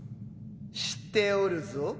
知っておるぞ。